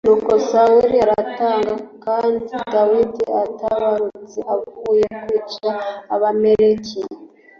Nuko Sawuli aratanga Kandi Dawidi atabarutse avuye kwica Abamaleki